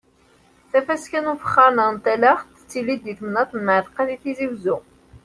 Tafaska n ufexxaṛ neɣ n talaxt tettili-d di temnaḍt n Mɛatqa di Tizi Wezzu.